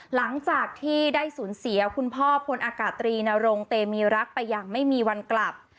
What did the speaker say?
หลังจากที่ได้สูญเสียคุณพ่อพลอากาศตรีนรงเตมีรักไปอย่างไม่มีวันกลับ